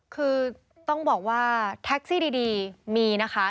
คือต้องบอกว่าแท็กซี่ดีมีนะคะ